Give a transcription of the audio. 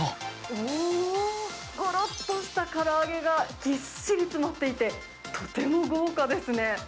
おお、ごろっとしたから揚げが、ぎっしり詰まっていて、とても豪華ですね。